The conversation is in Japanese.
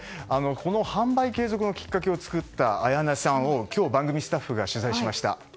販売継続のきっかけを作ったあやねさんを今日番組スタッフが取材しました。